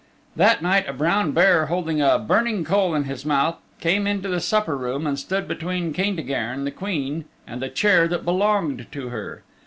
That night a brown bear, holding a burning coal in his mouth, came into the supper room and stood between Caintigern the Queen and the chair that belonged to her.